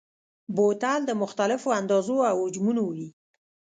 بوتل د مختلفو اندازو او حجمونو وي.